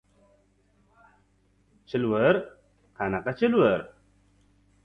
— Chilvir? Qanaqa chilvir?